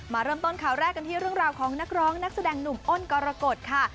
มาเริ่มต้นข่าวแรกกันที่เรื่องราวของนักร้องนักแสดงหนุ่มอ้นกรกฎค่ะ